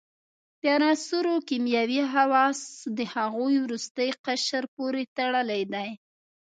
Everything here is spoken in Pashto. د عناصرو کیمیاوي خواص د هغوي وروستي قشر پورې تړلی دی.